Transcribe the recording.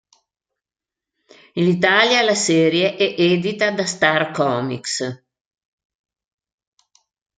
Il Italia la serie è edita da Star Comics.